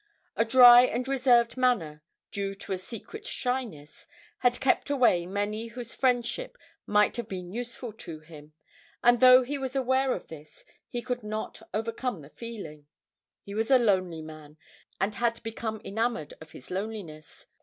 A dry and reserved manner, due to a secret shyness, had kept away many whose friendship might have been useful to him; and, though he was aware of this, he could not overcome the feeling; he was a lonely man, and had become enamoured of his loneliness.